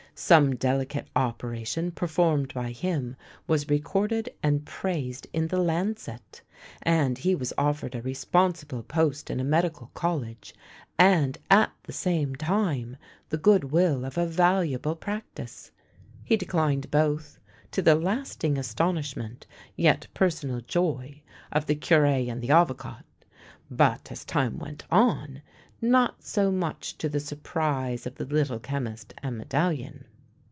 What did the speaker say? Some delicate opera tion performed by him was recorded and praised in the Lancet, and he was offered a responsible post in a medical college and, at the same time, the good will of a valuable practice. He declined both, to the last ing astonishment, yet personal joy, of the Cure and the Avocat ; but, as time went on, not so much to the sur prise of the Little Chemist and Medallion.